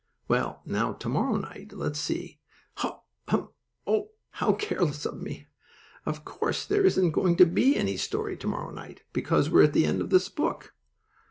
Well, now, to morrow night, let's see. Ha! Hum! Oh, how careless of me! Of course there isn't going to be any story to morrow night, because we're at the end of this book.